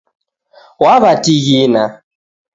Wawatighina